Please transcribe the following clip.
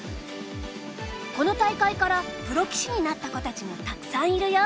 この大会からプロ棋士になった子たちもたくさんいるよ。